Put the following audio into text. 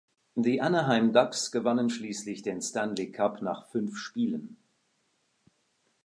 Die Anaheim Ducks gewannen schließlich den Stanley Cup nach fünf Spielen.